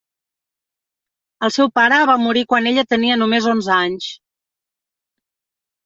El seu pare va morir quan ella tenia només onze anys.